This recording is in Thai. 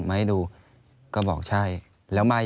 อันดับ๖๓๕จัดใช้วิจิตร